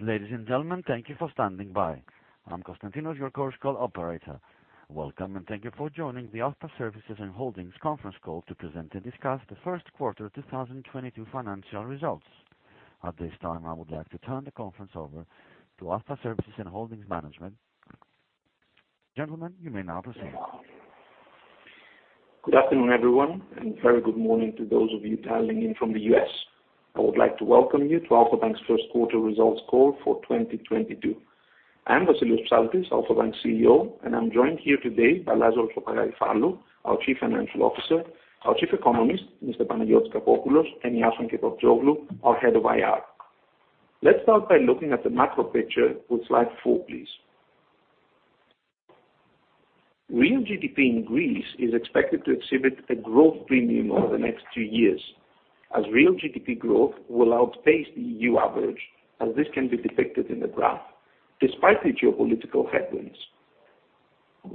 Ladies and gentlemen, thank you for standing by. I'm Constantinos, your conference call operator. Welcome, and thank you for joining the Alpha Services and Holdings conference call to present and discuss the first quarter 2022 financial results. At this time, I would like to turn the conference over to Alpha Services and Holdings management. Gentlemen, you may now proceed. Good afternoon, everyone, and very good morning to those of you dialing in from the U.S. I would like to welcome you to Alpha Bank's First Quarter Results Call for 2022. I am Vassilios Psaltis, Alpha Bank CEO, and I'm joined here today by Lazaros Papagaryfallou, our Chief Financial Officer, our Chief Economist, Mr. Panayotis Kapopoulos, and Iason Kepaptsoglou, our Head of IR. Let's start by looking at the macro picture with slide four, please. Real GDP in Greece is expected to exhibit a growth premium over the next two years, as real GDP growth will outpace the EU average, as this can be depicted in the graph, despite the geopolitical headwinds.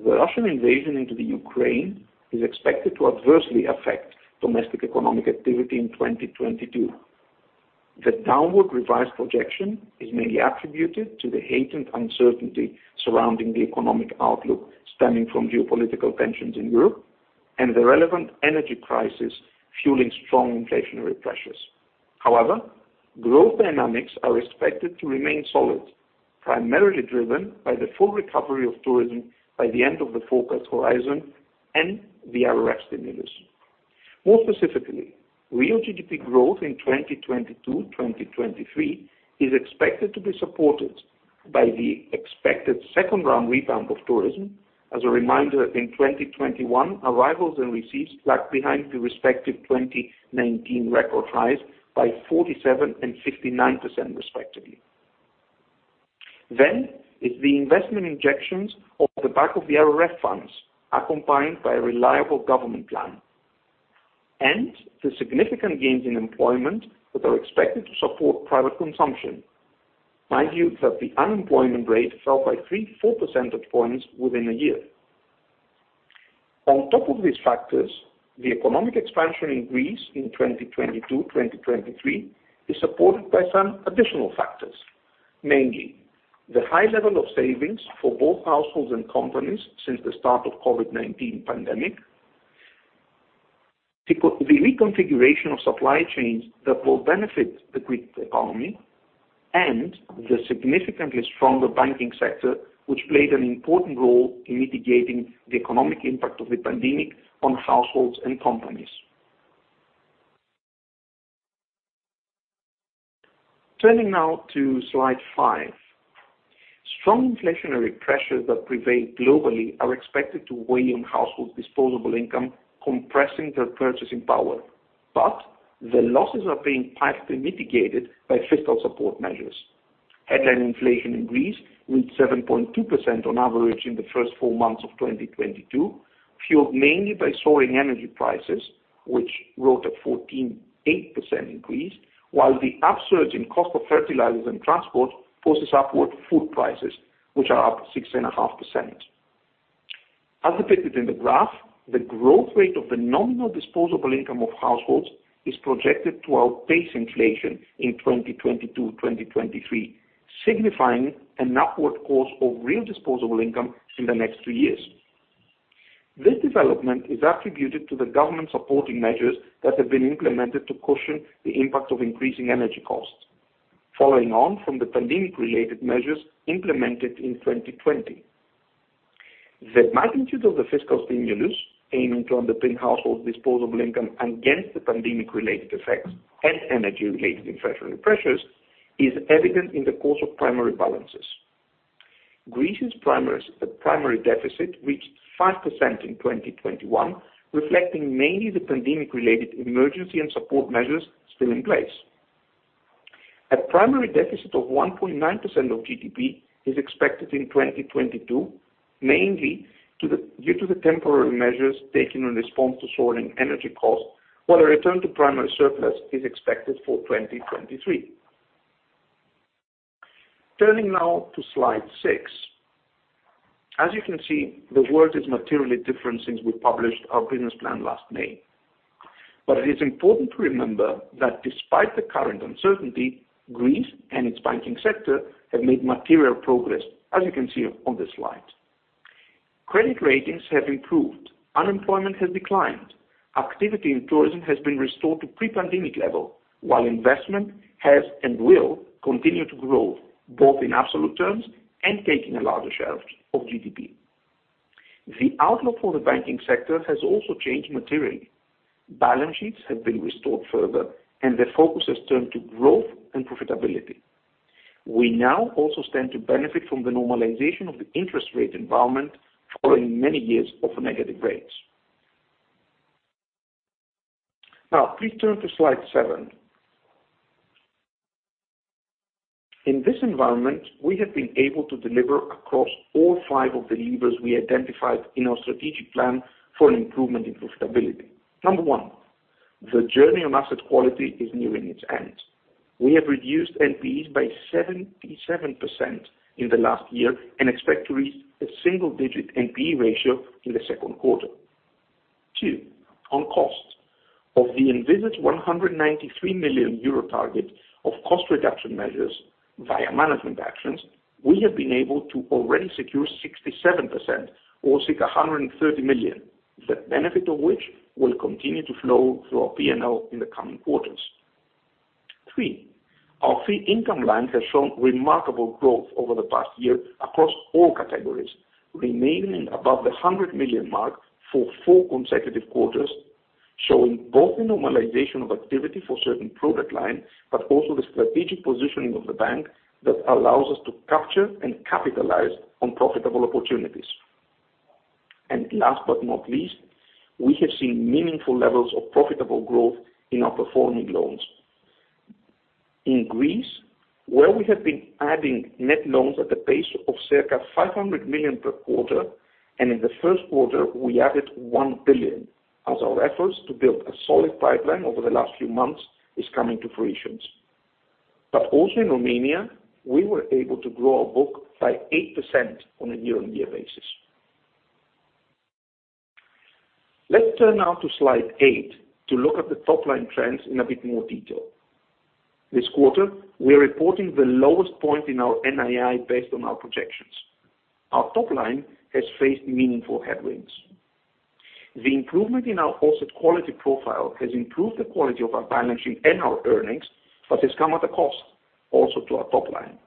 The Russian invasion into the Ukraine is expected to adversely affect domestic economic activity in 2022. The downward revised projection is mainly attributed to the heightened uncertainty surrounding the economic outlook stemming from geopolitical tensions in Europe and the relevant energy crisis fueling strong inflationary pressures. However, growth dynamics are expected to remain solid, primarily driven by the full recovery of tourism by the end of the forecast horizon and the RRF stimulus. More specifically, real GDP growth in 2022/2023 is expected to be supported by the expected second-round rebound of tourism. As a reminder, in 2021, arrivals and receipts lagged behind the respective 2019 record highs by 47% and 59%, respectively. The investment injections off the back of the RRF funds, accompanied by a reliable government plan, and the significant gains in employment that are expected to support private consumption. Mind you that the unemployment rate fell by 3.4 percentage points within a year. On top of these factors, the economic expansion in Greece in 2022-2023 is supported by some additional factors, mainly the high level of savings for both households and companies since the start of COVID-19 pandemic, the reconfiguration of supply chains that will benefit the Greek economy, and the significantly stronger banking sector, which played an important role in mitigating the economic impact of the pandemic on households and companies. Turning now to slide five. Strong inflationary pressures that prevail globally are expected to weigh on household disposable income, compressing their purchasing power. The losses are being partly mitigated by fiscal support measures. Headline inflation in Greece reached 7.2% on average in the first four months of 2022, fueled mainly by soaring energy prices, which rose at 14.8% increase, while the upsurge in cost of fertilizers and transport pushes upward food prices, which are up 6.5%. As depicted in the graph, the growth rate of the nominal disposable income of households is projected to outpace inflation in 2022/2023, signifying an upward course of real disposable income in the next two years. This development is attributed to the government supporting measures that have been implemented to cushion the impact of increasing energy costs following on from the pandemic-related measures implemented in 2020. The magnitude of the fiscal stimulus aiming to underpin household disposable income against the pandemic-related effects and energy-related inflationary pressures is evident in the course of primary balances. Greece's primary deficit reached 5% in 2021, reflecting mainly the pandemic-related emergency and support measures still in place. A primary deficit of 1.9% of GDP is expected in 2022, due to the temporary measures taken in response to soaring energy costs, while a return to primary surplus is expected for 2023. Turning now to slide six. As you can see, the world is materially different since we published our business plan last May. It is important to remember that despite the current uncertainty, Greece and its banking sector have made material progress, as you can see on this slide. Credit ratings have improved. Unemployment has declined. Activity in tourism has been restored to pre-pandemic level, while investment has and will continue to grow, both in absolute terms and taking a larger share of GDP. The outlook for the banking sector has also changed materially. Balance sheets have been restored further, and the focus has turned to growth and profitability. We now also stand to benefit from the normalization of the interest rate environment following many years of negative rates. Now please turn to slide seven. In this environment, we have been able to deliver across all five of the levers we identified in our strategic plan for an improvement in profitability. Number one, the journey on asset quality is nearing its end. We have reduced NPEs by 77% in the last year and expect to reach a single-digit NPE ratio in the second quarter. Two, on cost. Of the envisaged 193 million euro target of cost reduction measures via management actions, we have been able to already secure 67% or circa 130 million, the benefit of which will continue to flow through our P&L in the coming quarters. Three, our fee income line has shown remarkable growth over the past year across all categories, remaining above the 100 million mark for four consecutive quarters, showing both the normalization of activity for certain product lines, but also the strategic positioning of the bank that allows us to capture and capitalize on profitable opportunities. Last but not least, we have seen meaningful levels of profitable growth in our performing loans. In Greece, where we have been adding net loans at the pace of circa 500 million per quarter, and in the first quarter, we added 1 billion as our efforts to build a solid pipeline over the last few months is coming to fruition. In Romania, we were able to grow our book by 8% on a year-on-year basis. Let's turn now to slide eight to look at the top line trends in a bit more detail. This quarter, we are reporting the lowest point in our NII based on our projections. Our top line has faced meaningful headwinds. The improvement in our asset quality profile has improved the quality of our balancing and our earnings, but has come at a cost also to our top line.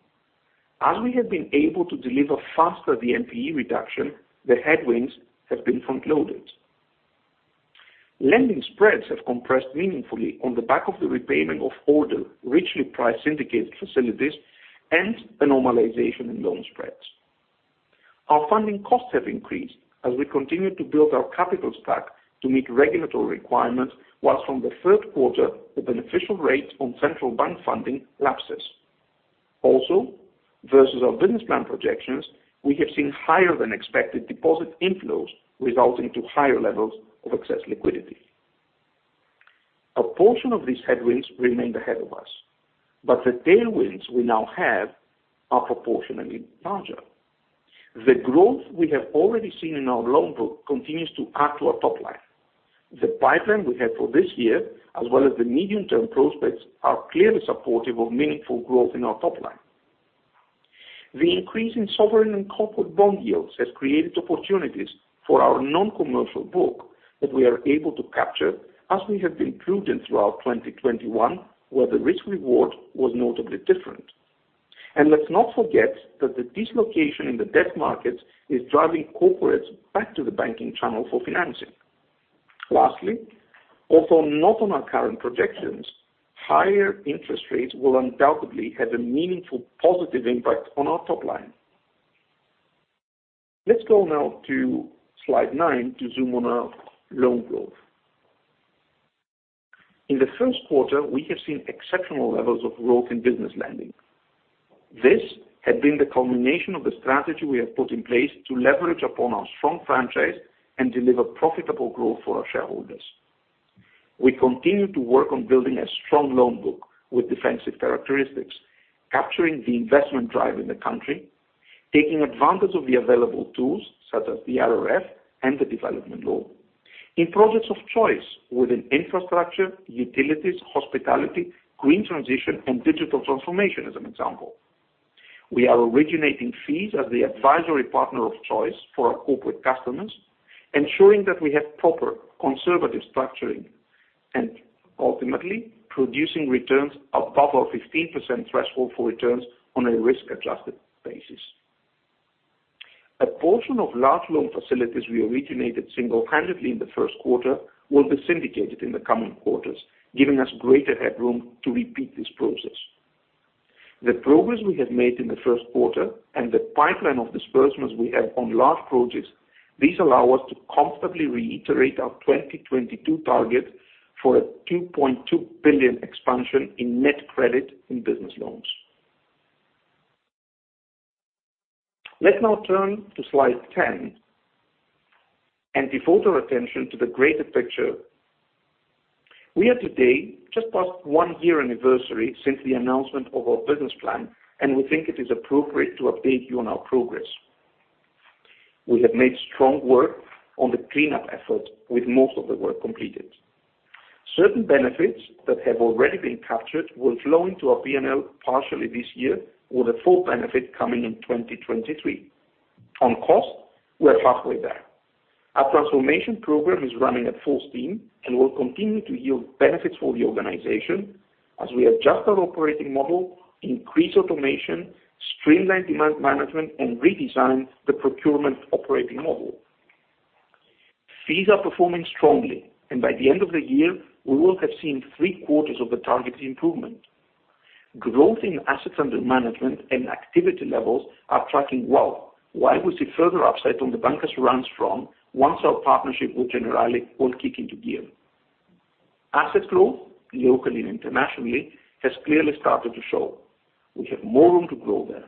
As we have been able to deliver faster the NPE reduction, the headwinds have been front-loaded. Lending spreads have compressed meaningfully on the back of the repayment of older, richly priced syndicated facilities, and a normalization in loan spreads. Our funding costs have increased as we continue to build our capital stack to meet regulatory requirements, while from the third quarter, the beneficial rate on central bank funding lapses. Also, versus our business plan projections, we have seen higher than expected deposit inflows resulting in higher levels of excess liquidity. A portion of these headwinds remained ahead of us, but the tailwinds we now have are proportionately larger. The growth we have already seen in our loan book continues to add to our top line. The pipeline we have for this year, as well as the medium-term prospects, are clearly supportive of meaningful growth in our top line. The increase in sovereign and corporate bond yields has created opportunities for our non-commercial book that we are able to capture as we have been prudent throughout 2021, where the risk reward was notably different. Let's not forget that the dislocation in the debt markets is driving corporates back to the banking channel for financing. Lastly, although not on our current projections, higher interest rates will undoubtedly have a meaningful positive impact on our top line. Let's go now to slide nine to zoom on our loan growth. In the first quarter, we have seen exceptional levels of growth in business lending. This had been the culmination of the strategy we have put in place to leverage upon our strong franchise and deliver profitable growth for our shareholders. We continue to work on building a strong loan book with defensive characteristics, capturing the investment drive in the country, taking advantage of the available tools, such as the RRF and the development law, in projects of choice within infrastructure, utilities, hospitality, green transition, and digital transformation, as an example. We are originating fees as the advisory partner of choice for our corporate customers, ensuring that we have proper conservative structuring and ultimately producing returns above our 15% threshold for returns on a risk-adjusted basis. A portion of large loan facilities we originated singlehandedly in the first quarter will be syndicated in the coming quarters, giving us greater headroom to repeat this process. The progress we have made in the first quarter and the pipeline of disbursements we have on large projects. These allow us to comfortably reiterate our 2022 target for a 2.2 billion expansion in net credit in business loans. Let's now turn to slide 10 and devote our attention to the greater picture. We are today just past one-year anniversary since the announcement of our business plan, and we think it is appropriate to update you on our progress. We have made strong work on the cleanup effort, with most of the work completed. Certain benefits that have already been captured will flow into our P&L partially this year, with a full benefit coming in 2023. On cost, we are halfway there. Our transformation program is running at full steam and will continue to yield benefits for the organization as we adjust our operating model, increase automation, streamline demand management, and redesign the procurement operating model. Fees are performing strongly, and by the end of the year, we will have seen three quarters of the targeted improvement. Growth in assets under management and activity levels are tracking well, while we see further upside on the bancassurance once our partnership with Generali will kick into gear. Asset growth, locally and internationally, has clearly started to show. We have more room to grow there,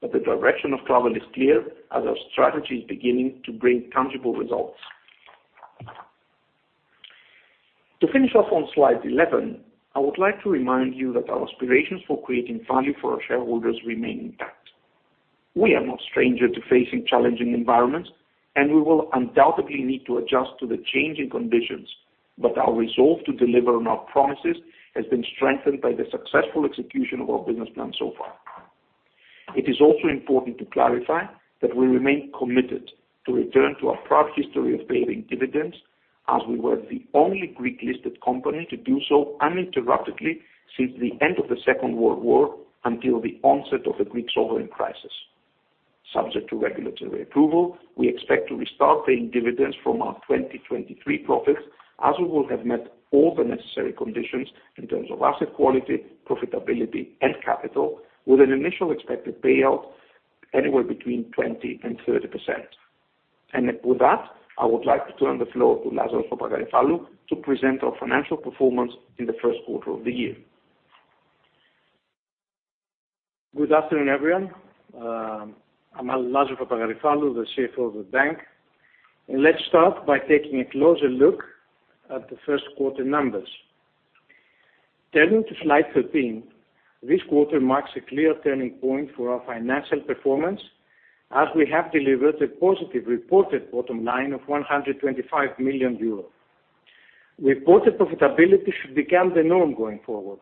but the direction of travel is clear as our strategy is beginning to bring tangible results. To finish off on slide 11, I would like to remind you that our aspirations for creating value for our shareholders remain intact. We are no stranger to facing challenging environments, and we will undoubtedly need to adjust to the changing conditions. Our resolve to deliver on our promises has been strengthened by the successful execution of our business plan so far. It is also important to clarify that we remain committed to return to our proud history of paying dividends, as we were the only Greek-listed company to do so uninterruptedly since the end of the Second World War until the onset of the Greek sovereign crisis. Subject to regulatory approval, we expect to restart paying dividends from our 2023 profits, as we will have met all the necessary conditions in terms of asset quality, profitability, and capital, with an initial expected payout anywhere between 20% and 30%. With that, I would like to turn the floor to Lazaros Papagaryfallou to present our financial performance in the first quarter of the year. Good afternoon, everyone. I'm Lazaros Papagaryfallou, the CFO of the bank. Let's start by taking a closer look at the first quarter numbers. Turning to slide 13, this quarter marks a clear turning point for our financial performance, as we have delivered a positive reported bottom line of 125 million euros. Reported profitability should become the norm going forward,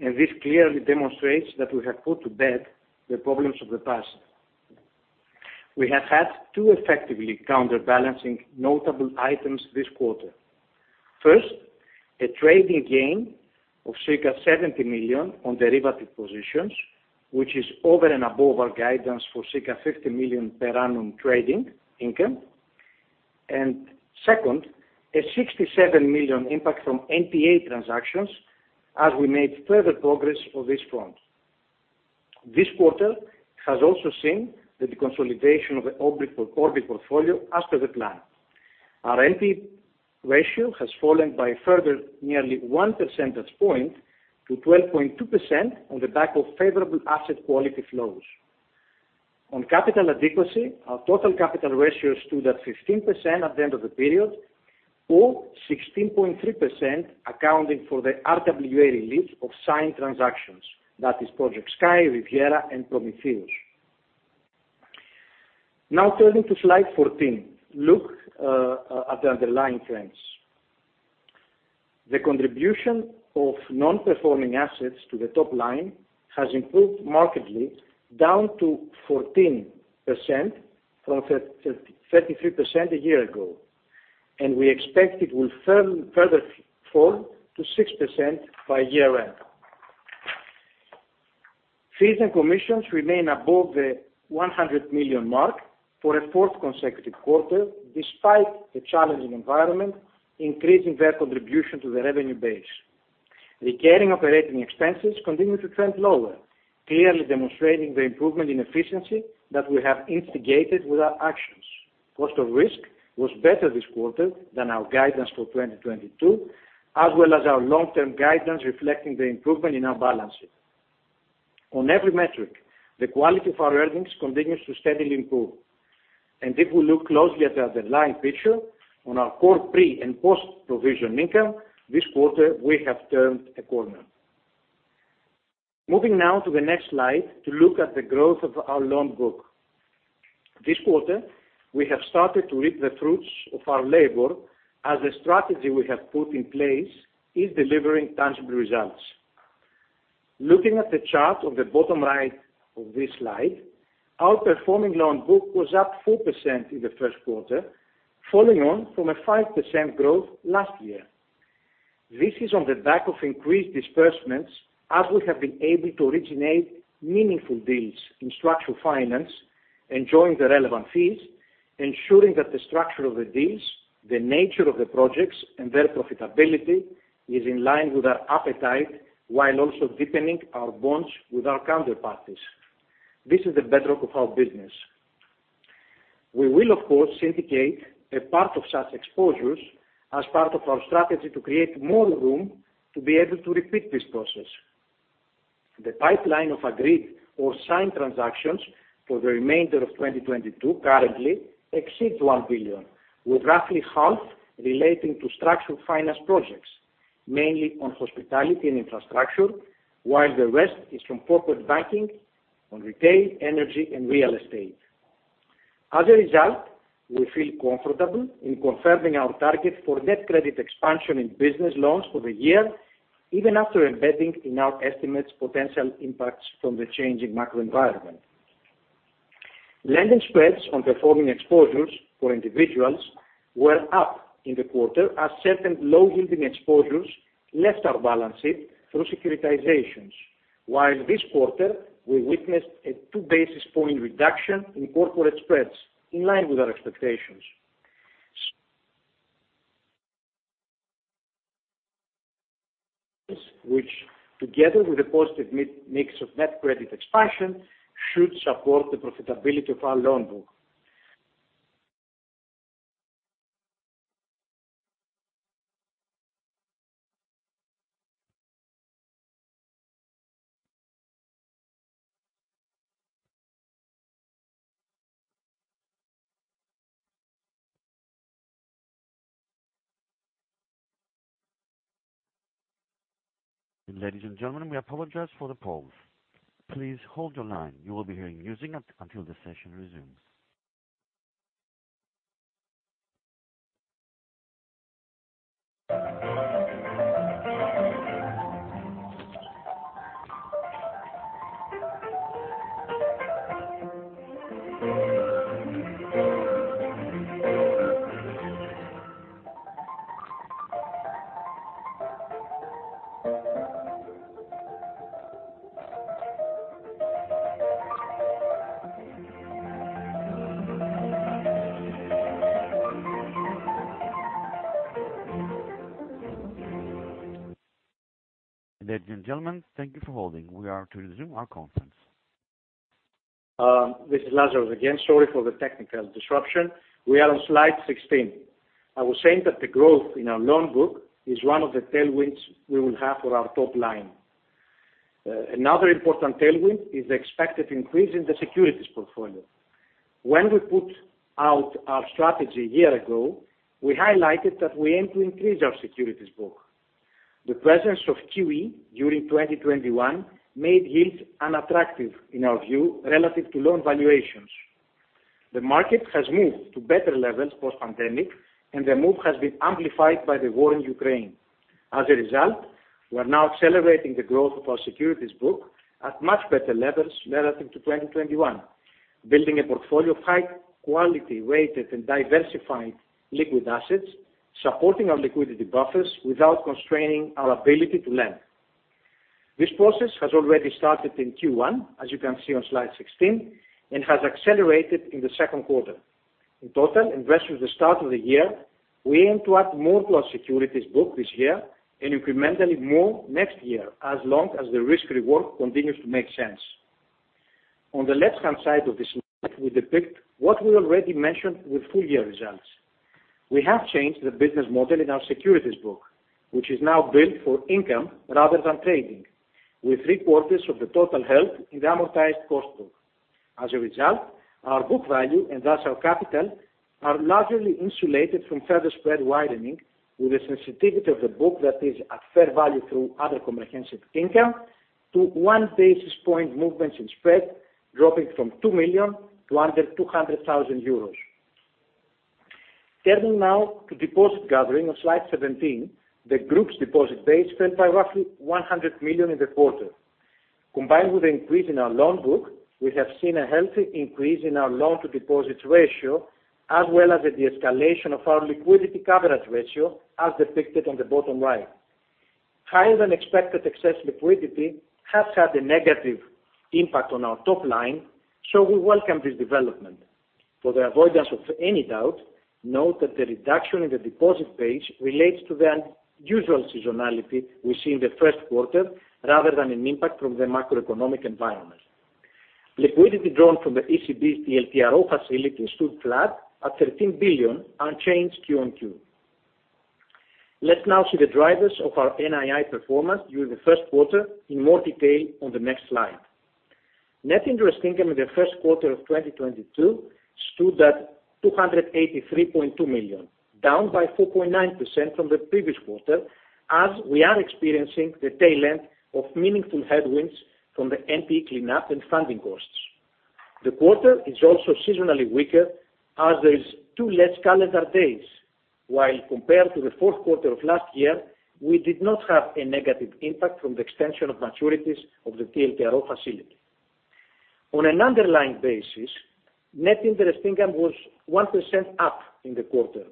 and this clearly demonstrates that we have put to bed the problems of the past. We have had two effectively counterbalancing notable items this quarter. First, a trading gain of circa 70 million on derivative positions, which is over and above our guidance for circa 50 million per annum trading income. Second, a 67 million impact from NPE transactions as we made further progress on this front. This quarter has also seen the consolidation of the Orbit portfolio as per the plan. Our NPE ratio has fallen by a further nearly 1 percentage point to 12.2% on the back of favorable asset quality flows. On capital adequacy, our total capital ratio stood at 15% at the end of the period, or 16.3% accounting for the RWA relief of signed transactions. That is Project Sky, Riviera, and Prometheus. Now turning to slide 14. Look, at the underlying trends. The contribution of non-performing assets to the top line has improved markedly, down to 14% from 33% a year ago. We expect it will further fall to 6% by year-end. Fees and commissions remain above the 100 million mark for a fourth consecutive quarter despite the challenging environment, increasing their contribution to the revenue base. Recurring operating expenses continue to trend lower, clearly demonstrating the improvement in efficiency that we have instigated with our actions. Cost of risk was better this quarter than our guidance for 2022, as well as our long-term guidance reflecting the improvement in our balance sheet. On every metric, the quality of our earnings continues to steadily improve. If we look closely at the underlying picture on our core pre and post-provision income, this quarter we have turned a corner. Moving now to the next slide to look at the growth of our loan book. This quarter, we have started to reap the fruits of our labor as the strategy we have put in place is delivering tangible results. Looking at the chart on the bottom right of this slide, our performing loan book was up 4% in the first quarter, following on from a 5% growth last year. This is on the back of increased disbursements, as we have been able to originate meaningful deals in structured finance, enjoying the relevant fees, ensuring that the structure of the deals, the nature of the projects, and their profitability is in line with our appetite, while also deepening our bonds with our counterparties. This is the bedrock of our business. We will, of course, syndicate a part of such exposures as part of our strategy to create more room to be able to repeat this process. The pipeline of agreed or signed transactions for the remainder of 2022 currently exceeds 1 billion, with roughly half relating to structured finance projects, mainly on hospitality and infrastructure, while the rest is from corporate banking on retail, energy, and real estate. As a result, we feel comfortable in confirming our target for net credit expansion in business loans for the year, even after embedding in our estimates potential impacts from the changing macro environment. Lending spreads on performing exposures for individuals were up in the quarter as certain low-yielding exposures left our balance sheet through securitizations, while this quarter we witnessed a 2 basis point reduction in corporate spreads in line with our expectations, which together with the positive mix of net credit expansion should support the profitability of our loan book. Ladies and gentlemen, we apologize for the pause. Please hold your line. You will be hearing music until the session resumes. Ladies and gentlemen, thank you for holding. We are to resume our conference. This is Lazaros again. Sorry for the technical disruption. We are on slide 16. I was saying that the growth in our loan book is one of the tailwinds we will have for our top line. Another important tailwind is the expected increase in the securities portfolio. When we put out our strategy a year ago, we highlighted that we aim to increase our securities book. The presence of QE during 2021 made yields unattractive, in our view, relative to loan valuations. The market has moved to better levels post-pandemic, and the move has been amplified by the war in Ukraine. As a result, we are now celebrating the growth of our securities book at much better levels relative to 2021, building a portfolio of high quality, rated, and diversified liquid assets, supporting our liquidity buffers without constraining our ability to lend. This process has already started in Q1, as you can see on slide 16, and has accelerated in the second quarter. In total, and versus the start of the year, we aim to add more to our securities book this year and incrementally more next year, as long as the risk reward continues to make sense. On the left-hand side of this slide, we depict what we already mentioned with full year results. We have changed the business model in our securities book, which is now built for income rather than trading, with three-quarters of the total held in the amortized cost book. As a result, our book value, and thus our capital, are largely insulated from further spread widening with the sensitivity of the book that is at fair value through other comprehensive income to one basis point movements in spread, dropping from 2 million to under 200,000 euros. Turning now to deposit gathering on slide 17. The group's deposit base fell by roughly 100 million in the quarter. Combined with the increase in our loan book, we have seen a healthy increase in our loan to deposits ratio, as well as the de-escalation of our liquidity coverage ratio, as depicted on the bottom right. Higher than expected excess liquidity has had a negative impact on our top line, so we welcome this development. For the avoidance of any doubt, note that the reduction in the deposit base relates to the unusual seasonality we see in the first quarter rather than an impact from the macroeconomic environment. Liquidity drawn from the ECB TLTRO facility stood flat at 13 billion, unchanged QoQ. Let's now see the drivers of our NII performance during the first quarter in more detail on the next slide. Net interest income in the first quarter of 2022 stood at 283.2 million, down by 4.9% from the previous quarter as we are experiencing the tail end of meaningful headwinds from the NPE cleanup and funding costs. The quarter is also seasonally weaker as there are two less calendar days, while compared to the fourth quarter of last year, we did not have a negative impact from the extension of maturities of the TLTRO facility. On an underlying basis, net interest income was 1% up in the quarter.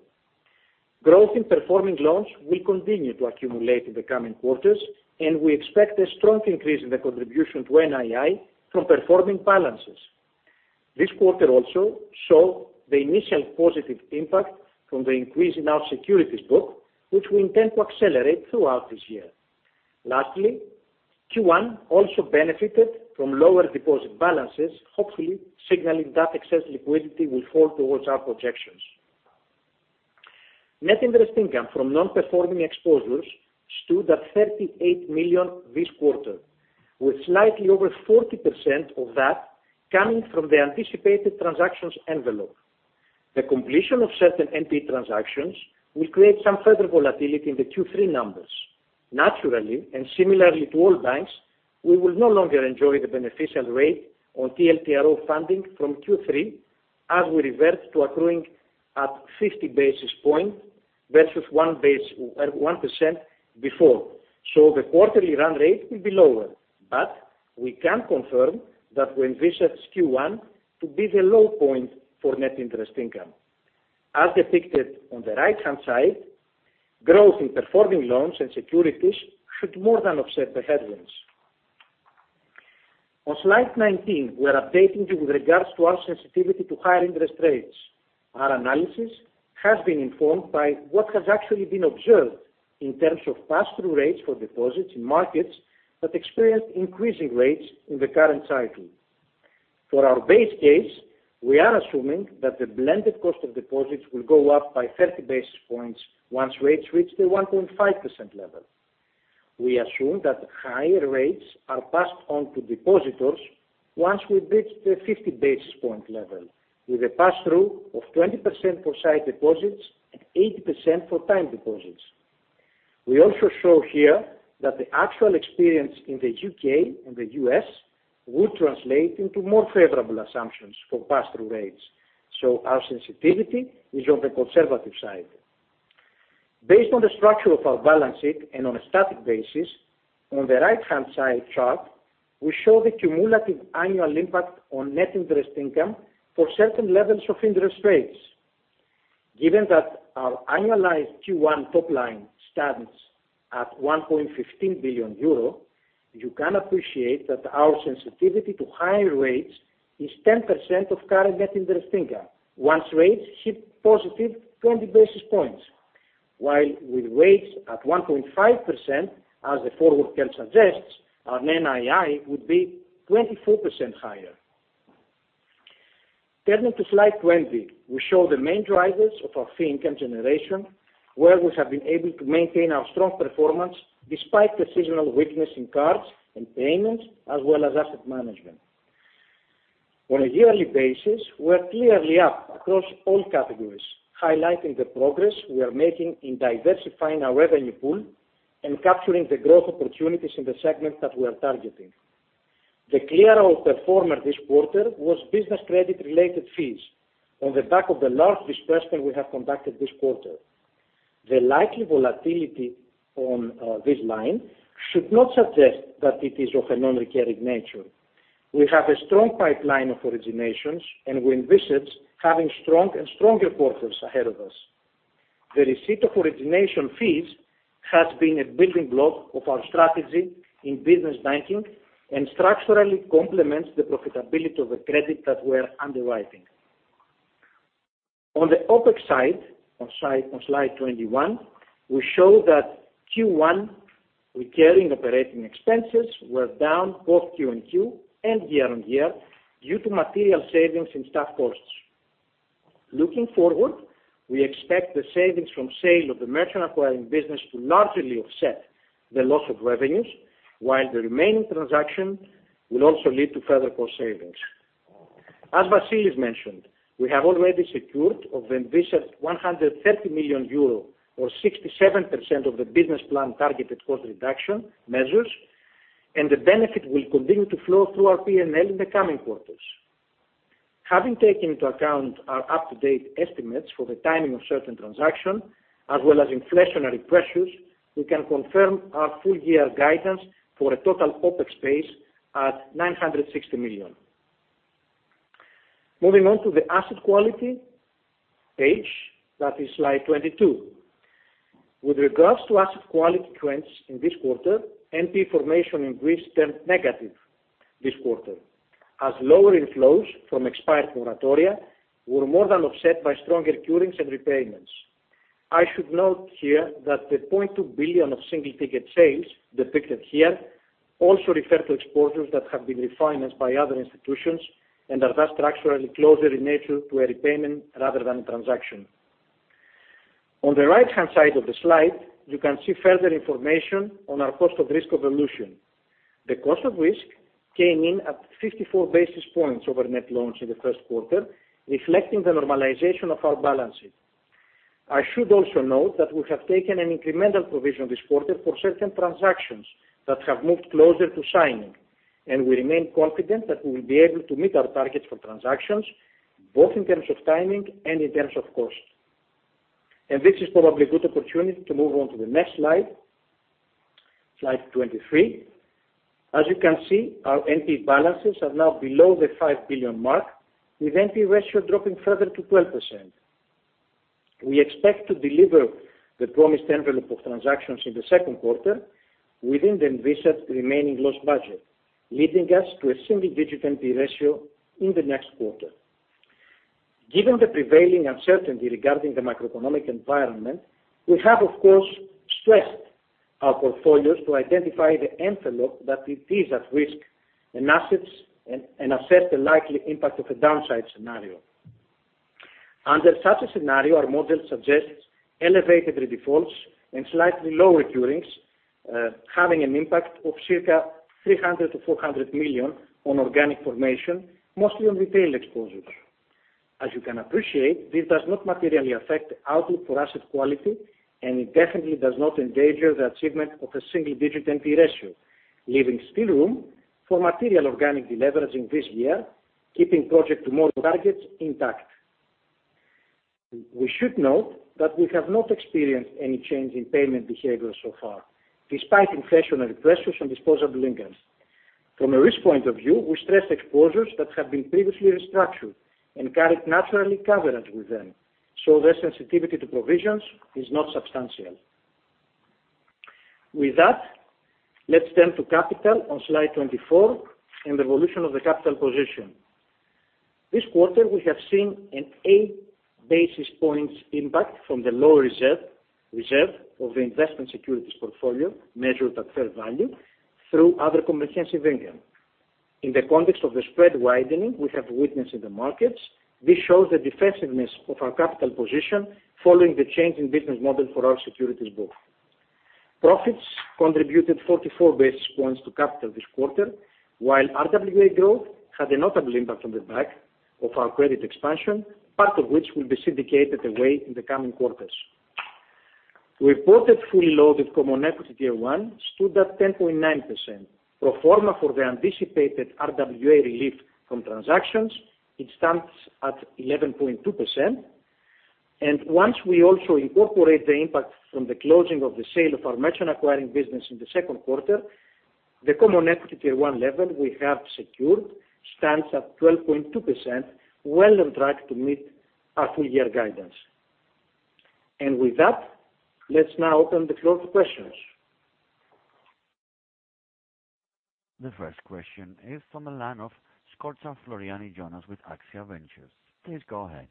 Growth in performing loans will continue to accumulate in the coming quarters, and we expect a strong increase in the contribution to NII from performing balances. This quarter also saw the initial positive impact from the increase in our securities book, which we intend to accelerate throughout this year. Lastly, Q1 also benefited from lower deposit balances, hopefully signaling that excess liquidity will fall towards our projections. Net interest income from non-performing exposures stood at 38 million this quarter, with slightly over 40% of that coming from the anticipated transactions envelope. The completion of certain NPE transactions will create some further volatility in the Q3 numbers. Naturally, and similarly to all banks, we will no longer enjoy the beneficial rate on TLTRO funding from Q3 as we revert to accruing at 50 basis points versus one basis, one percent before. The quarterly run rate will be lower, but we can confirm that we envisage Q1 to be the low point for net interest income. As depicted on the right-hand side, growth in performing loans and securities should more than offset the headwinds. On slide 19, we're updating you with regards to our sensitivity to higher interest rates. Our analysis has been informed by what has actually been observed in terms of pass-through rates for deposits in markets that experienced increasing rates in the current cycle. For our base case, we are assuming that the blended cost of deposits will go up by 30 basis points once rates reach the 1.5% level. We assume that higher rates are passed on to depositors once we reach the 50 basis point level with a pass-through of 20% for sight deposits and 80% for time deposits. We also show here that the actual experience in the U.K. and the U.S. would translate into more favorable assumptions for pass-through rates. Our sensitivity is on the conservative side. Based on the structure of our balance sheet and on a static basis, on the right-hand side chart, we show the cumulative annual impact on net interest income for certain levels of interest rates. Given that our annualized Q1 top line stands at 1.15 billion euro, you can appreciate that our sensitivity to higher rates is 10% of current net interest income once rates hit +20 basis points. While with rates at 1.5%, as the forward curve suggests, our NII would be 20% higher. Turning to slide 20, we show the main drivers of our fee income generation, where we have been able to maintain our strong performance despite the seasonal weakness in cards and payments as well as asset management. On a yearly basis, we're clearly up across all categories, highlighting the progress we are making in diversifying our revenue pool and capturing the growth opportunities in the segments that we are targeting. The clear outperformer this quarter was business credit-related fees on the back of the large disbursement we have conducted this quarter. The likely volatility on this line should not suggest that it is of a non-recurring nature. We have a strong pipeline of originations, and we envisage having strong and stronger quarters ahead of us. The receipt of origination fees has been a building block of our strategy in business banking and structurally complements the profitability of the credit that we're underwriting. On the OpEx side, on slide 21, we show that Q1 recurring operating expenses were down both QoQ and year-on-year due to material savings in staff costs. Looking forward, we expect the savings from sale of the merchant acquiring business to largely offset the loss of revenues, while the remaining transaction will also lead to further cost savings. As Vasilis mentioned, we have already secured of the envisaged 130 million euro or 67% of the business plan targeted cost reduction measures, and the benefit will continue to flow through our P&L in the coming quarters. Having taken into account our up-to-date estimates for the timing of certain transaction as well as inflationary pressures, we can confirm our full year guidance for a total OpEx base at 960 million. Moving on to the asset quality page, that is slide 22. With regards to asset quality trends in this quarter, NPE formation in Greece turned negative this quarter, as lower inflows from expired moratoria were more than offset by stronger curings and repayments. I should note here that the 0.2 billion of single-ticket sales depicted here also refer to exposures that have been refinanced by other institutions and are thus structurally closer in nature to a repayment rather than a transaction. On the right-hand side of the slide, you can see further information on our cost of risk evolution. The cost of risk came in at 54 basis points over net loans in the first quarter, reflecting the normalization of our balance sheet. I should also note that we have taken an incremental provision this quarter for certain transactions that have moved closer to signing, and we remain confident that we will be able to meet our targets for transactions, both in terms of timing and in terms of cost. This is probably a good opportunity to move on to the next slide 23. As you can see, our NPE balances are now below the 5 billion mark, with NPE ratio dropping further to 12%. We expect to deliver the promised envelope of transactions in the second quarter within the envisaged remaining loss budget, leading us to a single-digit NPE ratio in the next quarter. Given the prevailing uncertainty regarding the macroeconomic environment, we have of course stressed our portfolios to identify the envelope that it is at risk and assets and assess the likely impact of a downside scenario. Under such a scenario, our model suggests elevated redefaults and slightly lower curings, having an impact of circa 300 million-400 million on organic formation, mostly on retail exposures. As you can appreciate, this does not materially affect outlook for asset quality, and it definitely does not endanger the achievement of a single-digit NPE ratio, leaving still room for material organic deleveraging this year, keeping Project Tomorrow targets intact. We should note that we have not experienced any change in payment behavior so far, despite inflationary pressures and disposable incomes. From a risk point of view, we stressed exposures that have been previously restructured and carried natural coverage with them, so their sensitivity to provisions is not substantial. With that, let's turn to capital on slide 24 and the evolution of the capital position. This quarter, we have seen an eight basis points impact from the lower reserve of the investment securities portfolio measured at fair value through other comprehensive income. In the context of the spread widening we have witnessed in the markets, this shows the defensiveness of our capital position following the change in business model for our securities book. Profits contributed 44 basis points to capital this quarter, while RWA growth had a notable impact on the back of our credit expansion, part of which will be syndicated away in the coming quarters. Reported fully loaded common equity tier one stood at 10.9%. Pro forma for the anticipated RWA relief from transactions, it stands at 11.2%. Once we also incorporate the impact from the closing of the sale of our merchant acquiring business in the second quarter, the common equity tier one level we have secured stands at 12.2%, well on track to meet our full year guidance. With that, let's now open the floor to questions. The first question is from the line of Scorza Floriani, Jonas with AXIA Ventures Group. Please go ahead.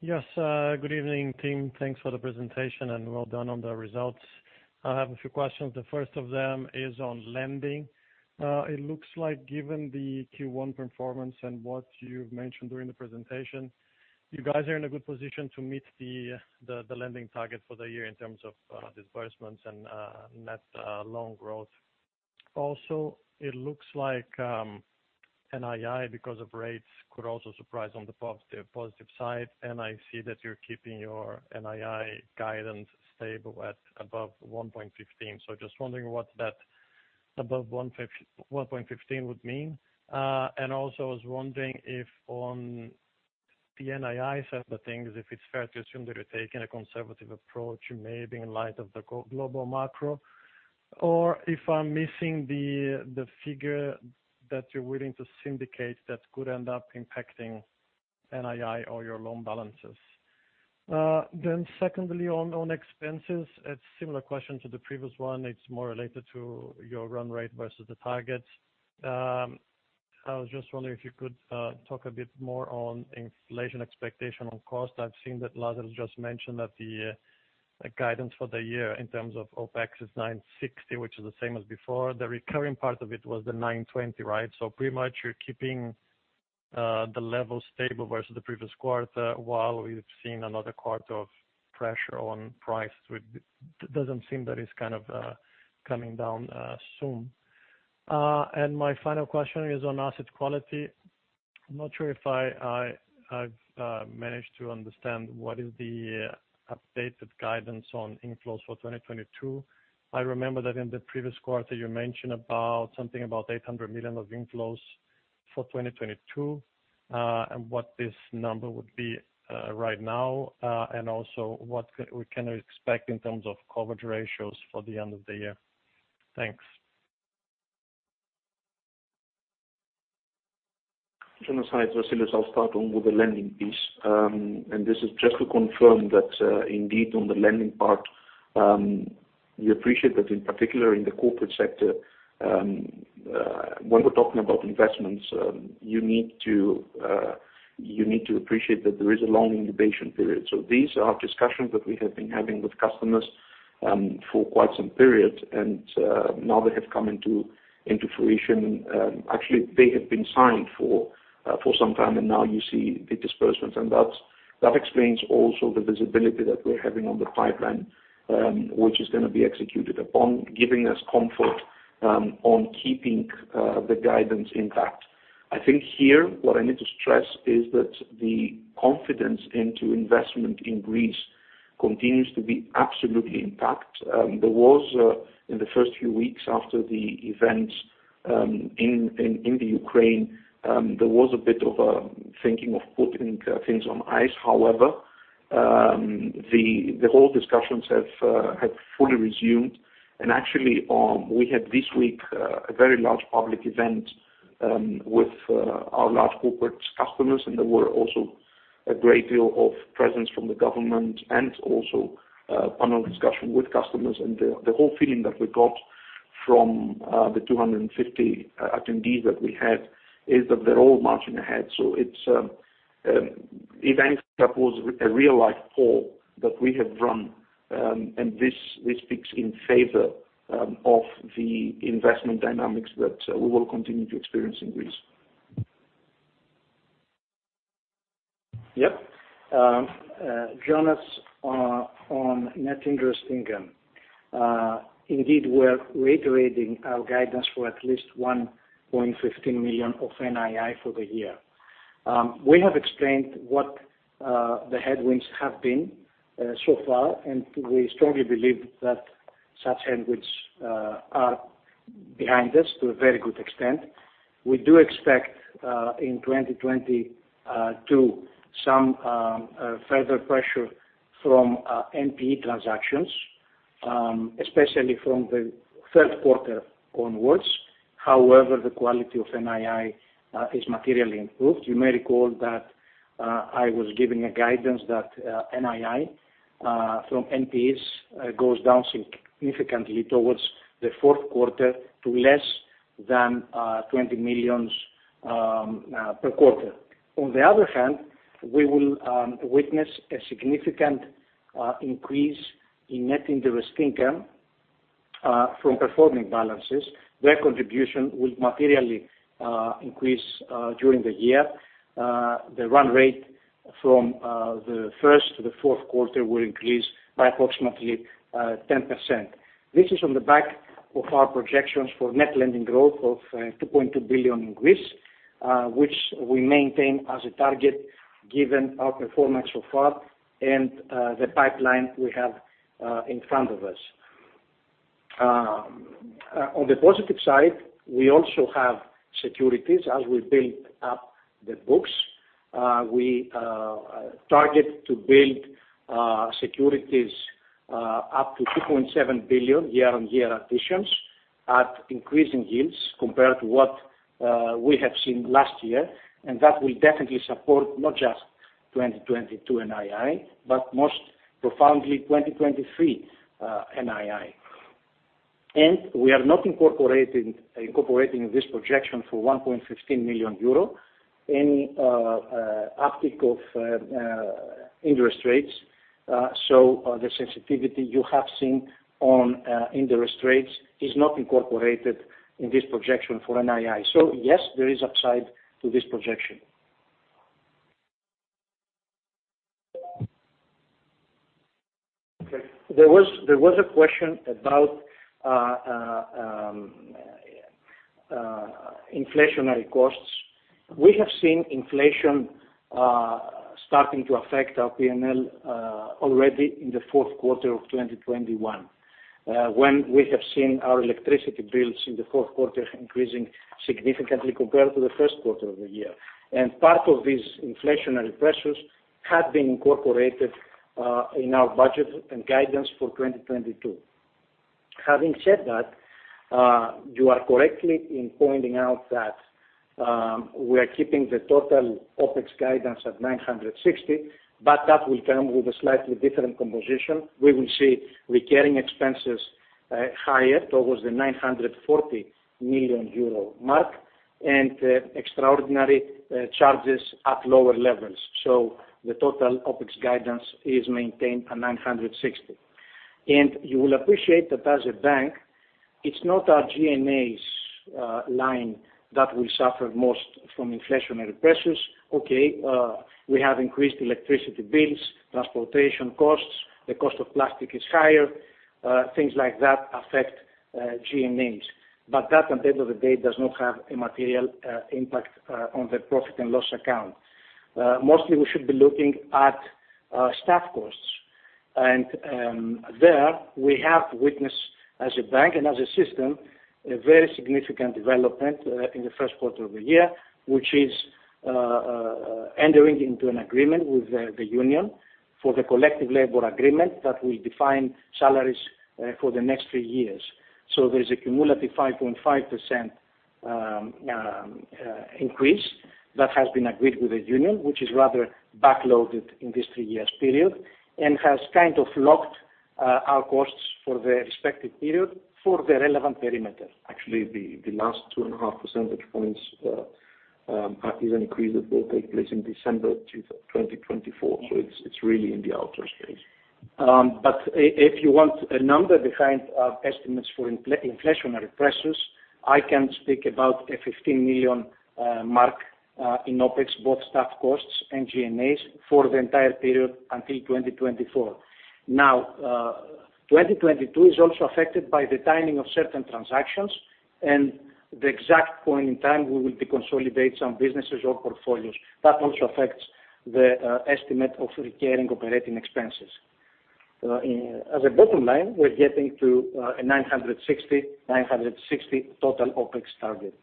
Yes, good evening team. Thanks for the presentation, and well done on the results. I have a few questions. The first of them is on lending. It looks like given the Q1 performance and what you've mentioned during the presentation, you guys are in a good position to meet the lending target for the year in terms of disbursements and net loan growth. Also, it looks like NII because of rates could also surprise on the positive side. I see that you're keeping your NII guidance stable at above 1.15. Just wondering what that above 1.15 would mean. Also I was wondering if on the NII side of things, if it's fair to assume that you're taking a conservative approach, maybe in light of the global macro, or if I'm missing the figure that you're willing to syndicate that could end up impacting NII or your loan balances. Secondly, on expenses. It's similar question to the previous one. It's more related to your run rate versus the targets. I was just wondering if you could talk a bit more on inflation expectation on cost. I've seen that Lazaros just mentioned that the guidance for the year in terms of OpEx is 960 million, which is the same as before. The recurring part of it was the 920 million, right? Pretty much you're keeping the levels stable versus the previous quarter, while we've seen another quarter of pressure on price. Doesn't seem that it's kind of coming down soon. My final question is on asset quality. I'm not sure if I've managed to understand what is the updated guidance on inflows for 2022. I remember that in the previous quarter you mentioned about something about 800 million of inflows for 2022, and what this number would be right now, and also what we can expect in terms of coverage ratios for the end of the year. Thanks. Jonas, hi, it's Vassilios. I'll start on with the lending piece. This is just to confirm that indeed on the lending part, we appreciate that in particular in the corporate sector, when we're talking about investments, you need to appreciate that there is a long incubation period. These are discussions that we have been having with customers for quite some period, and now they have come into fruition. Actually, they have been signed for some time, and now you see the disbursements. That explains also the visibility that we're having on the pipeline, which is gonna be executed upon giving us comfort on keeping the guidance intact. I think here, what I need to stress is that the confidence into investment in Greece continues to be absolutely intact. There was in the first few weeks after the events in the Ukraine, there was a bit of a thinking of putting things on ice. However, the whole discussions have fully resumed. Actually, we had this week a very large public event with our large corporate customers, and there were also a great deal of presence from the government and also panel discussion with customers. The whole feeling that we got from the 250 attendees that we had is that they're all marching ahead. It's an event that was a real-life poll that we have run, and this speaks in favor of the investment dynamics that we will continue to experience in Greece. Yep. Jonas, on net interest income. Indeed, we're reiterating our guidance for at least 1.15 million of NII for the year. We have explained what the headwinds have been so far, and we strongly believe that such headwinds are behind us to a very good extent. We do expect in 2022 some further pressure from NPE transactions, especially from the third quarter onwards. However, the quality of NII is materially improved. You may recall that I was giving a guidance that NII from NPEs goes down significantly towards the fourth quarter to less than 20 million per quarter. On the other hand, we will witness a significant increase in net interest income from performing balances. Their contribution will materially increase during the year. The run rate from the first to the fourth quarter will increase by approximately 10%. This is on the back of our projections for net lending growth of 2.2 billion in Greece, which we maintain as a target given our performance so far and the pipeline we have in front of us. On the positive side, we also have securities. As we build up the books, we target to build securities up to 2.7 billion year-on-year additions at increasing yields compared to what we have seen last year. That will definitely support not just 2022 NII, but most profoundly, 2023 NII. We are not incorporating this projection for 1.15 million euro in impact of interest rates. The sensitivity you have seen on interest rates is not incorporated in this projection for NII. Yes, there is upside to this projection. Okay. There was a question about inflationary costs. We have seen inflation starting to affect our PNL already in the fourth quarter of 2021, when we have seen our electricity bills in the fourth quarter increasing significantly compared to the first quarter of the year. Part of these inflationary pressures have been incorporated in our budget and guidance for 2022. Having said that, you are correct in pointing out that we are keeping the total OpEx guidance at 960 million, but that will come with a slightly different composition. We will see recurring expenses higher towards the 940 million euro mark and extraordinary charges at lower levels. The total OpEx guidance is maintained at 960 million. You will appreciate that as a bank, it's not our G&As line that will suffer most from inflationary pressures. We have increased electricity bills, transportation costs, the cost of plastic is higher, things like that affect G&As. That, at the end of the day, does not have a material impact on the profit and loss account. Mostly we should be looking at staff costs. There we have witnessed as a bank and as a system a very significant development in the first quarter of the year, which is entering into an agreement with the union for the collective labor agreement that will define salaries for the next three years. There's a cumulative 5.5% increase that has been agreed with the union, which is rather backloaded in this three-year period, and has kind of locked our costs for the respective period for the relevant perimeter. Actually, the last 2.5 percentage points is an increase that will take place in December 2024. It's really in the outer space. But if you want a number behind our estimates for inflationary pressures, I can speak about a 15 million mark in OpEx, both staff costs and G&As for the entire period until 2024. Now, 2022 is also affected by the timing of certain transactions and the exact point in time we will deconsolidate some businesses or portfolios. That also affects the estimate of recurring operating expenses. As a bottom line, we're getting to a 960 million total OpEx target.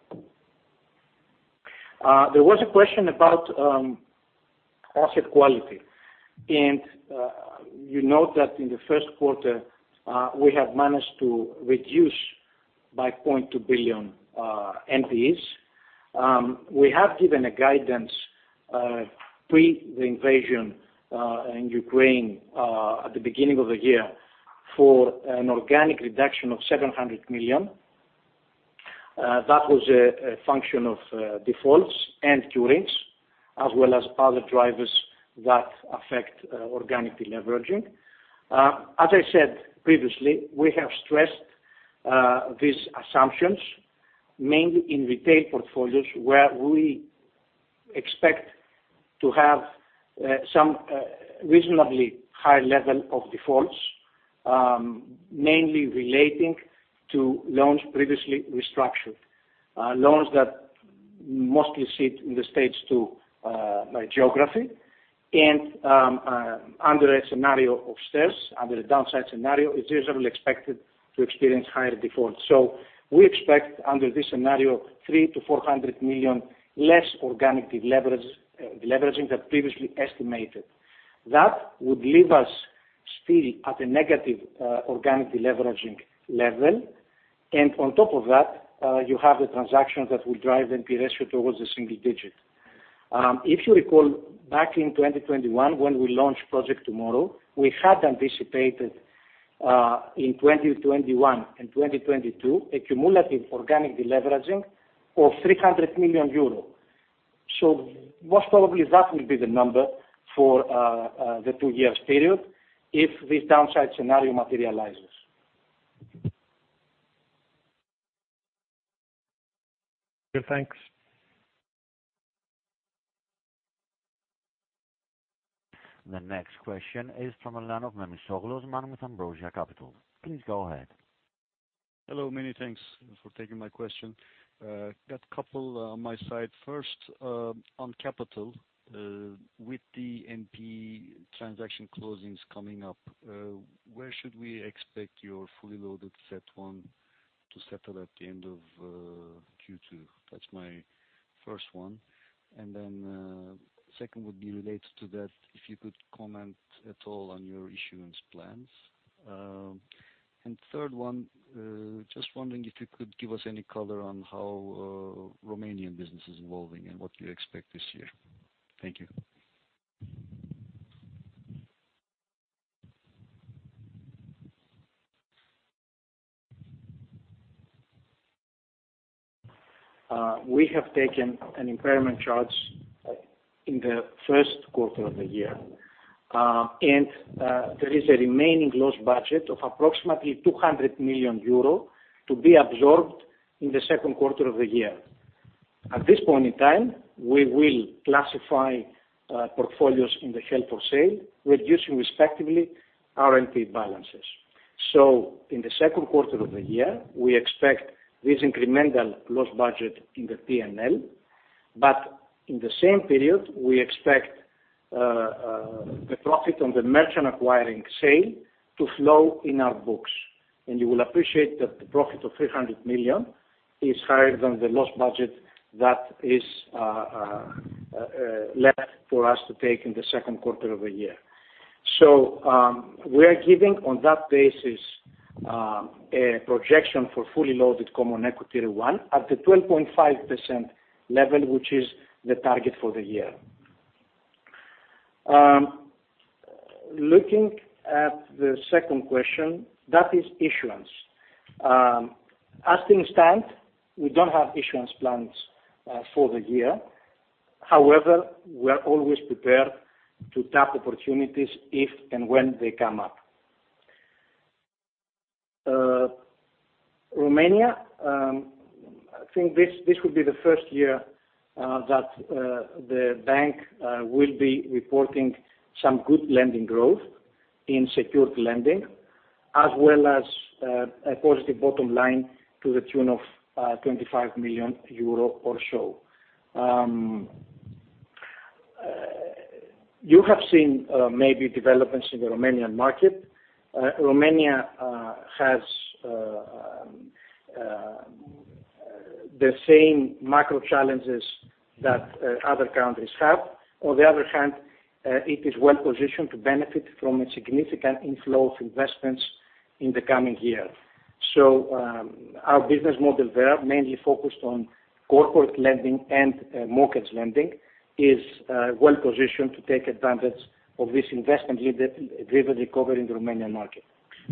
There was a question about asset quality. You know that in the first quarter, we have managed to reduce by 0.2 billion NPEs. We have given a guidance pre the invasion in Ukraine at the beginning of the year for an organic reduction of 700 million. That was a function of defaults and curings, as well as other drivers that affect organic deleveraging. As I said previously, we have stressed these assumptions mainly in retail portfolios, where we expect to have some reasonably high level of defaults mainly relating to loans previously restructured. Loans that mostly sit in Stage 2 by geography and under a scenario of stress, under a downside scenario, it is really expected to experience higher defaults. We expect under this scenario, 300 million-400 million less organic deleveraging than previously estimated. That would leave us still at a negative organic deleveraging level. On top of that, you have the transactions that will drive NPE ratio towards a single digit. If you recall back in 2021 when we launched Project Tomorrow, we had anticipated in 2021 and 2022, a cumulative organic deleveraging of 300 million euros. Most probably that will be the number for the two years period if this downside scenario materializes. Okay, thanks. The next question is from the line of Osman Memisoglu with Ambrosia Capital. Please go ahead. Hello, many thanks for taking my question. Got a couple on my side. First, on capital, with the NPE transaction closings coming up, where should we expect your fully loaded CET1 to settle at the end of Q2? That's my first one. Second would be related to that, if you could comment at all on your issuance plans. Third one, just wondering if you could give us any color on how Romanian business is evolving and what you expect this year. Thank you. We have taken an impairment charge in the first quarter of the year. There is a remaining loss budget of approximately 200 million euro to be absorbed in the second quarter of the year. At this point in time, we will classify portfolios in the held for sale, reducing respectively our NPE balances. In the second quarter of the year, we expect this incremental loss budget in the P&L, but in the same period, we expect the profit on the merchant acquiring sale to flow in our books. You will appreciate that the profit of 300 million is higher than the loss budget that is left for us to take in the second quarter of the year. We are giving on that basis a projection for fully loaded Common Equity Tier 1 at the 12.5% level, which is the target for the year. Looking at the second question, that is issuance. As things stand, we don't have issuance plans for the year. However, we are always prepared to tap opportunities if and when they come up. Romania, I think this will be the first year that the bank will be reporting some good lending growth in secured lending, as well as a positive bottom line to the tune of 25 million euro or so. You have seen maybe developments in the Romanian market. Romania has the same macro challenges that other countries have. On the other hand, it is well-positioned to benefit from a significant inflow of investments in the coming year. Our business model there, mainly focused on corporate lending and mortgage lending, is well-positioned to take advantage of this investment-led driven recovery in the Romanian market.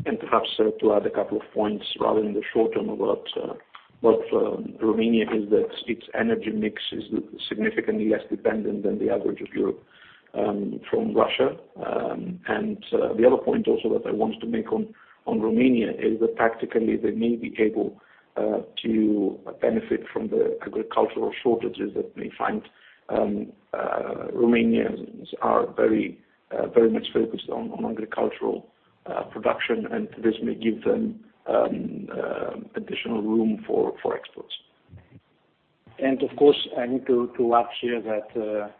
Perhaps to add a couple of points rather in the short term about what Romania is that its energy mix is significantly less dependent than the average of Europe from Russia. The other point also that I wanted to make on Romania is that practically they may be able to benefit from the agricultural shortages. Romanians are very much focused on agricultural production, and this may give them additional room for exports. Of course, I need to add here that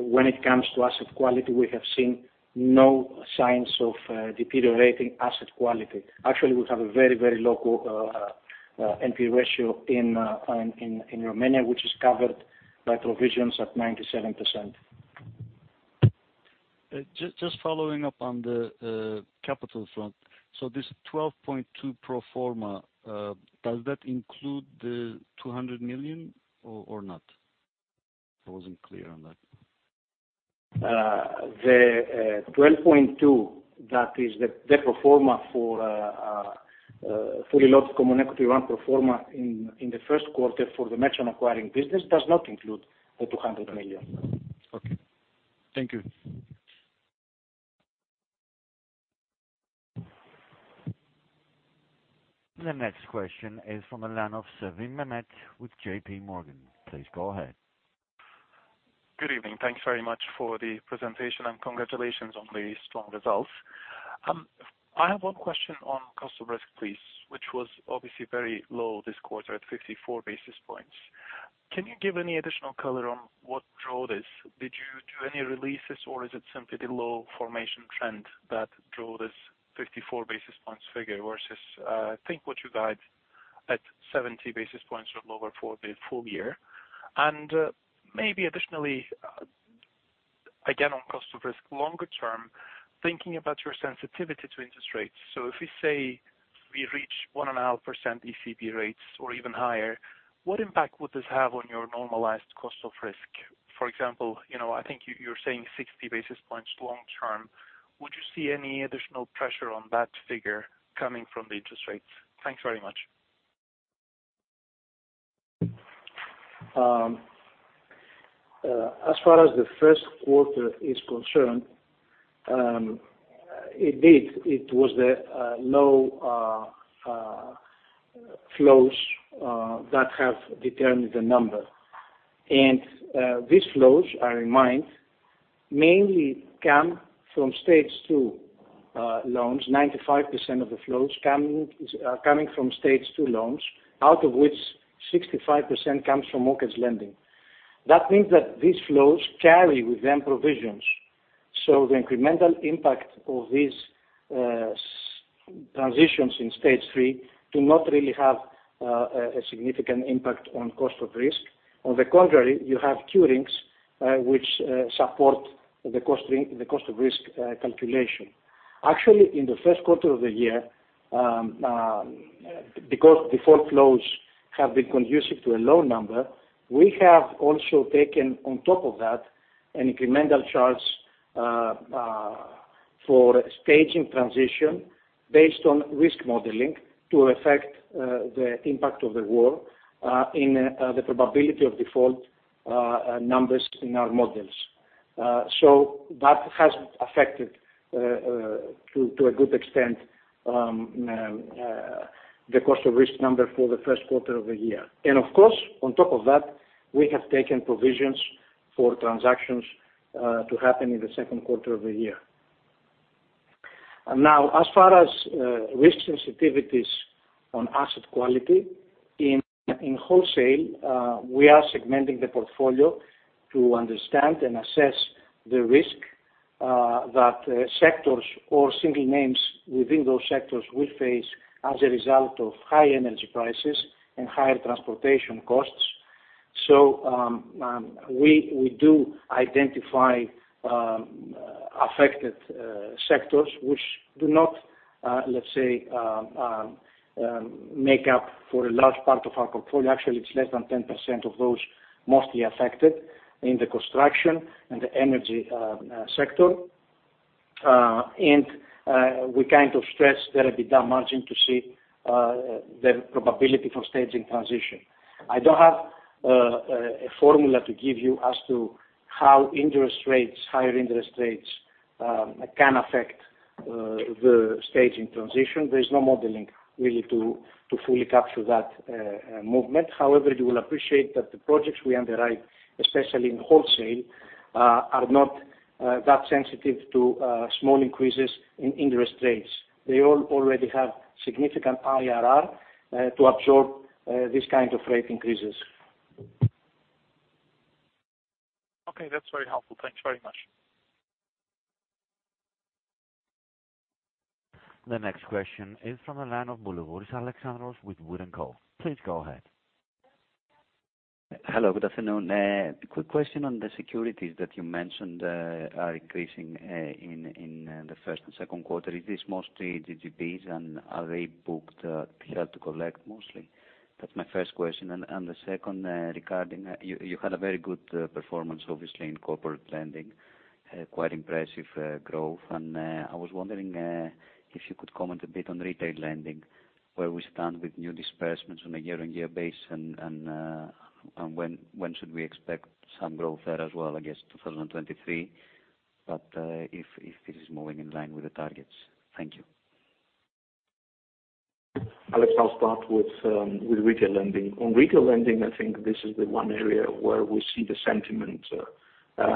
when it comes to asset quality, we have seen no signs of deteriorating asset quality. Actually, we have a very low NPE ratio in Romania, which is covered by provisions at 97%. Just following up on the capital front. This 12.2% pro forma, does that include the 200 million or not? I wasn't clear on that. The 12.2%, that is the pro forma for fully loaded Common Equity Tier 1 pro forma in the first quarter for the merchant acquiring business, does not include the 200 million. Okay. Thank you. The next question is from the line of Sevim, Mehmet with JPMorgan. Please go ahead. Good evening. Thank you very much for the presentation, and congratulations on the strong results. I have one question on cost of risk, please, which was obviously very low this quarter at 54 basis points. Can you give any additional color on what drove this? Did you do any releases, or is it simply the low formation trend that drove this 54 basis points figure versus, I think what you guide at 70 basis points or lower for the full year? Maybe additionally, again, on cost of risk longer term, thinking about your sensitivity to interest rates. If we say we reach 1.5% ECB rates or even higher, what impact would this have on your normalized cost of risk? For example, you know, I think you're saying 60 basis points long term. Would you see any additional pressure on that figure coming from the interest rates? Thanks very much. As far as the first quarter is concerned, it did. It was the low flows that have determined the number. These flows mainly come from Stage 2 loans. 95% of the flows coming from Stage2 loans, out of which 65% comes from mortgage lending. That means that these flows carry with them provisions, so the incremental impact of these transitions in Stage 3 do not really have a significant impact on cost of risk. On the contrary, you have curings, which support the cost of risk calculation. Actually, in the first quarter of the year, because default flows have been conducive to a low number, we have also taken on top of that an incremental charge for staging transition based on risk modeling to affect the impact of the war in the probability of default numbers in our models. So that has affected, to a good extent, the cost of risk number for the first quarter of the year. Of course, on top of that, we have taken provisions for transactions to happen in the second quarter of the year. Now, as far as risk sensitivities on asset quality, in wholesale, we are segmenting the portfolio to understand and assess the risk that sectors or single names within those sectors will face as a result of high energy prices and higher transportation costs. We do identify affected sectors which do not, let's say, make up for a large part of our portfolio. Actually, it's less than 10% of those mostly affected in the construction and the energy sector. We kind of stress there will be that margin to see the probability for staging transition. I don't have a formula to give you as to how interest rates, higher interest rates, can affect the staging transition. There is no modeling really to fully capture that movement. However, you will appreciate that the projects we underwrite, especially in wholesale, are not that sensitive to small increases in interest rates. They all already have significant IRR to absorb these kind of rate increases. Okay. That's very helpful. Thanks very much. The next question is from the line of Boulougouris, Alexandros with Wood & Co. Please go ahead. Hello, good afternoon. Quick question on the securities that you mentioned are increasing in the first and second quarter. Is this mostly GGBs, and are they booked here to collect mostly? That's my first question. The second, regarding, you had a very good performance, obviously, in corporate lending, quite impressive growth. I was wondering if you could comment a bit on retail lending, where we stand with new disbursements on a year-on-year basis and when should we expect some growth there as well, I guess 2023, but if this is moving in line with the targets. Thank you. Alex, I'll start with retail lending. On retail lending, I think this is the one area where we see the sentiment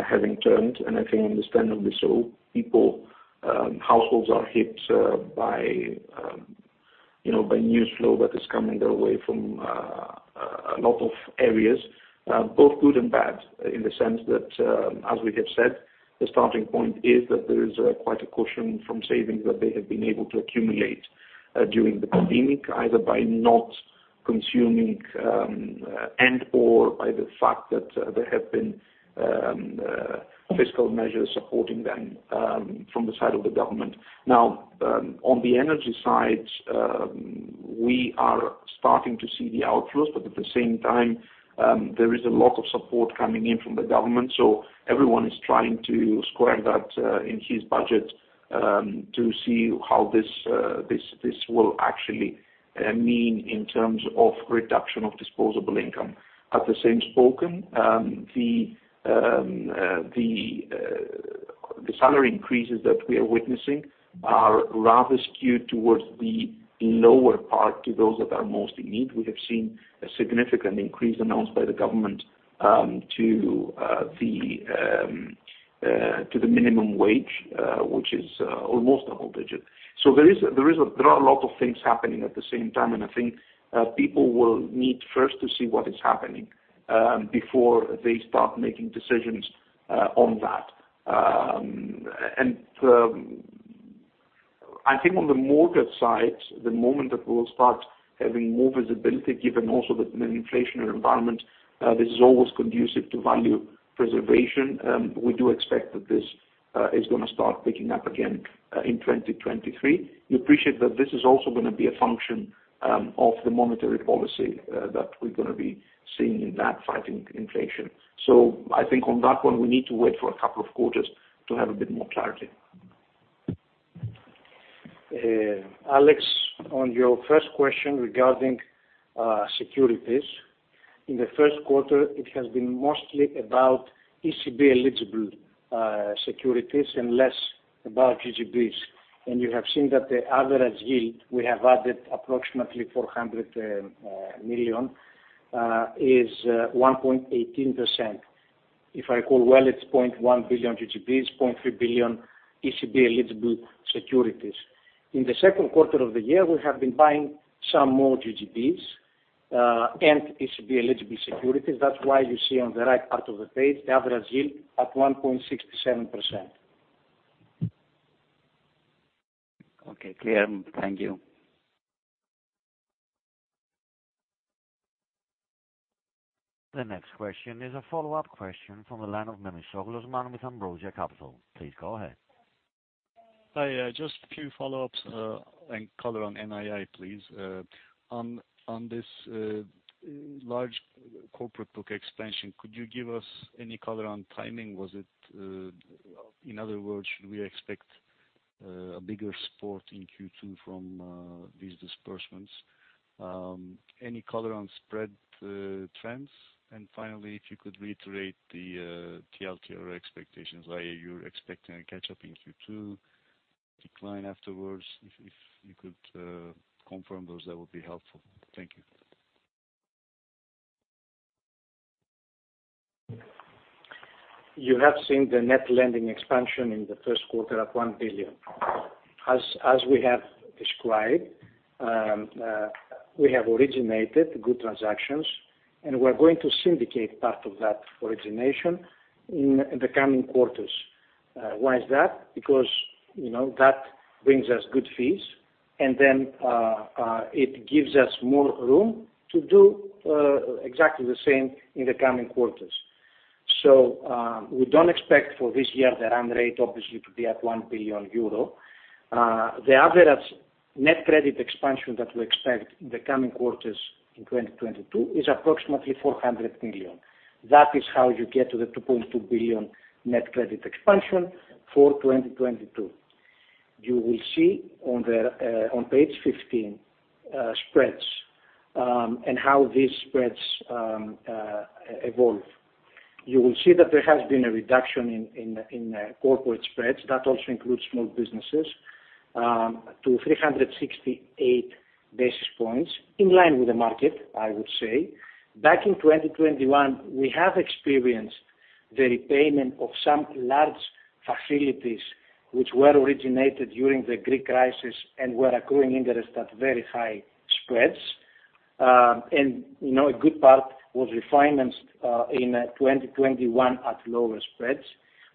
having turned, and I think understandably so. People, households are hit by you know, by news flow that is coming their way from a lot of areas, both good and bad, in the sense that, as we have said, the starting point is that there is quite a cushion from savings that they have been able to accumulate during the pandemic, either by not consuming and/or by the fact that there have been fiscal measures supporting them from the side of the government. Now, on the energy side, we are starting to see the outflows, but at the same time, there is a lot of support coming in from the government. Everyone is trying to square that, in his budget, to see how this will actually mean in terms of reduction of disposable income. By the same token, the salary increases that we are witnessing are rather skewed towards the lower part to those that are most in need. We have seen a significant increase announced by the government, to the minimum wage, which is almost a whole digit. There are a lot of things happening at the same time, and I think people will need first to see what is happening before they start making decisions on that. I think on the mortgage side, the moment that we'll start having more visibility, given also that in an inflationary environment, this is always conducive to value preservation, we do expect that this is gonna start picking up again in 2023. You appreciate that this is also gonna be a function of the monetary policy that we're gonna be seeing in that fighting inflation. I think on that one, we need to wait for a couple of quarters to have a bit more clarity. Alex, on your first question regarding securities. In the first quarter, it has been mostly about ECB eligible securities and less about GGBs. You have seen that the average yield, we have added approximately 400 million is 1.18%. If I recall well, it's 0.1 billion GGBs, 0.3 billion ECB eligible securities. In the second quarter of the year, we have been buying some more GGBs and ECB eligible securities. That's why you see on the right part of the page, the average yield at 1.67%. Okay. Clear. Thank you. The next question is a follow-up question from the line of Osman Memisoglu with Ambrosia Capital. Please go ahead. Hi. Just a few follow-ups and color on NII, please. On this large corporate book expansion, could you give us any color on timing? In other words, should we expect a bigger support in Q2 from these disbursements? Any color on spread trends? And finally, if you could reiterate the TLTRO expectations, are you expecting a catch-up in Q2 decline afterwards? If you could confirm those, that would be helpful. Thank you. You have seen the net lending expansion in the first quarter at 1 billion. As we have described, we have originated good transactions, and we're going to syndicate part of that origination in the coming quarters. Why is that? Because, you know, that brings us good fees, and then it gives us more room to do exactly the same in the coming quarters. We don't expect for this year the run rate, obviously, to be at 1 billion euro. The average net credit expansion that we expect in the coming quarters in 2022 is approximately 400 million. That is how you get to the 2.2 billion net credit expansion for 2022. You will see on page 15 spreads and how these spreads evolve. You will see that there has been a reduction in corporate spreads, that also includes small businesses, to 368 basis points, in line with the market, I would say. Back in 2021, we have experienced the repayment of some large facilities which were originated during the Greek crisis and were accruing interest at very high spreads. You know, a good part was refinanced in 2021 at lower spreads.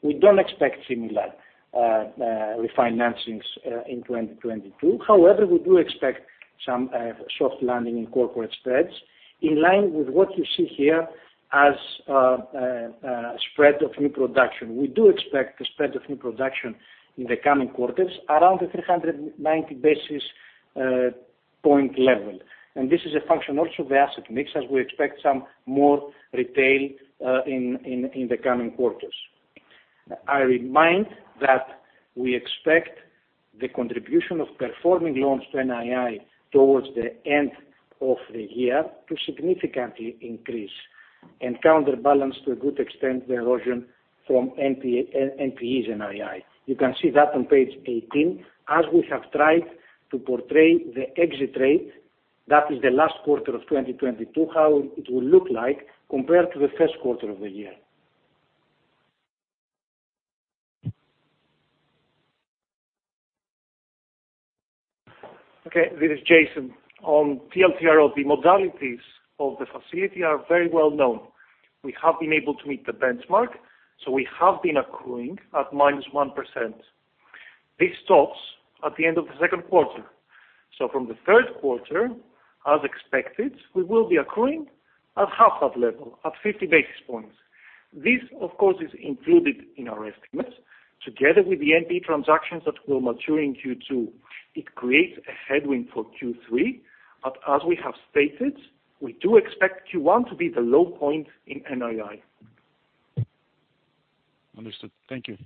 We don't expect similar refinancings in 2022. However, we do expect some soft landing in corporate spreads in line with what you see here as spread on new production. We do expect a spread on new production in the coming quarters around the 390 basis point level. This is a function also of the asset mix, as we expect some more retail in the coming quarters. I remind that we expect the contribution of performing loans to NII towards the end of the year to significantly increase and counterbalance to a good extent the erosion from NPEs NII. You can see that on page 18, as we have tried to portray the exit rate, that is the last quarter of 2022, how it will look like compared to the first quarter of the year. Okay, this is Iason. On TLTRO, the modalities of the facility are very well known. We have been able to meet the benchmark, so we have been accruing at -1%. This stops at the end of the second quarter. From the third quarter, as expected, we will be accruing at half that level, at 50 basis points. This, of course, is included in our estimates together with the NPE transactions that will mature in Q2. It creates a headwind for Q3, but as we have stated, we do expect Q1 to be the low point in NII. Understood. Thank you.